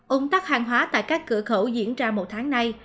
ung tắc hàng hóa tại các cửa khẩu diễn ra một tháng nay